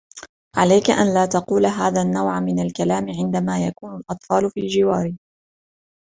عليك ان لا تقول هذا النوع من الكلام عندما يكون الاطفال في الجوار.